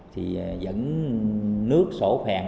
thì dẫn nước sổ phèn